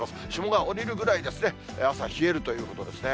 霜が降りるぐらいですね、朝、冷えるということですね。